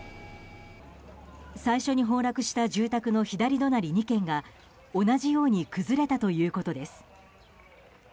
最初に崩落した住宅の左隣２軒が同じように崩れたということです。